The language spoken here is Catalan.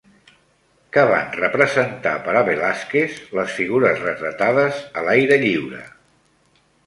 Què van representar per a Velázquez les figures retratades a l'aire lliure?